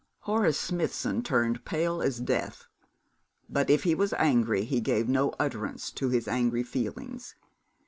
Horace Smithson turned pale as death, but if he was angry, he gave no utterance to his angry feelings.